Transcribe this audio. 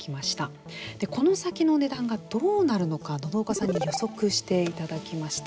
この先の値段がどうなるのか信岡さんに予測していただきました。